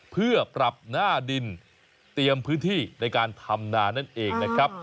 เพื่อปรับหน้าดินเตรียมพื้นที่ในการทำนานั่นเองนะครับ